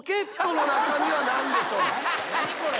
何これ？